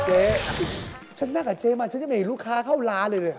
เจ๊ฉันนั่งกับเจ๊มาฉันยังไม่เห็นลูกค้าเข้าร้านเลย